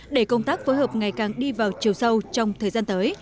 để công tác phối hợp ngày càng đi vào chiều sâu trong thời gian tới